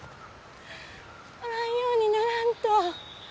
おらんようにならんと。